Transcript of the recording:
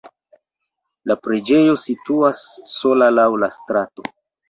La preĝejo situas sola laŭ la strato.